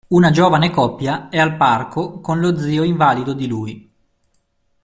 Una giovane coppia è al parco con lo zio invalido di lui.